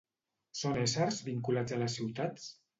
Són éssers vinculats a les ciutats?